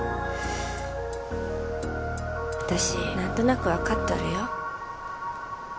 私何となく分かっとるよ